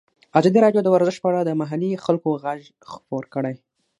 ازادي راډیو د ورزش په اړه د محلي خلکو غږ خپور کړی.